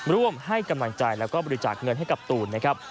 ร่วมให้กำลังใจแล้วก็บริจาคเงินให้กับตูนนะครับ